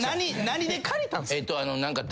何で借りたんすか？